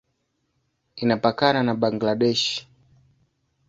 Inapakana na Bangladesh.